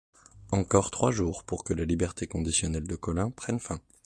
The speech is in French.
Encore trois jours pour que la liberté conditionnelle de Collin prenne fin.